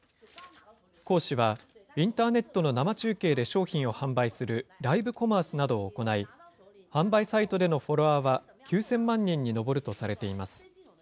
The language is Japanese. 黄氏は、インターネットの生中継で商品を販売するライブコマースなどを行い、販売サイトでのフォロワーは９０００万人に上るとされています。